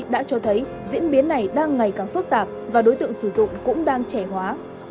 đã cho thấy diễn biến này đang ngày càng phức tạp và đối tượng sử dụng cũng đang trẻ hóa